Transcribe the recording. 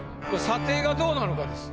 査定がどうなのかです。